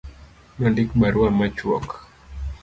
Nondiko barua machuok.